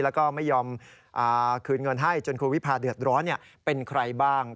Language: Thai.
แล้วก็ไม่ยอมคืนเงินให้จนครูวิพาเดือดร้อนเป็นใครบ้าง